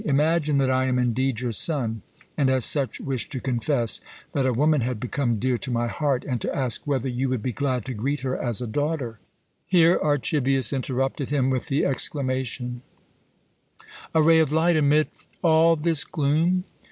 Imagine that I am indeed your son, and, as such wished to confess that a woman had become dear to my heart, and to ask whether you would be glad to greet her as a daughter." Here Archibius interrupted him with the exclamation: "A ray of light amid all this gloom?